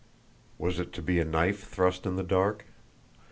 Was it to be a knife thrust in the dark?